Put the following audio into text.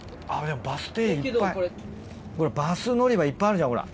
バス乗り場いっぱいあるじゃんほら。